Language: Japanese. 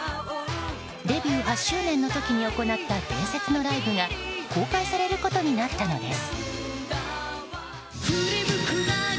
デビュー８周年の時に行った伝説のライブが公開されることになったのです。